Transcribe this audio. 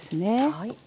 はい。